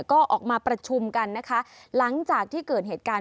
ก็ออกมาประชุมกันนะคะหลังจากที่เกิดเหตุการณ์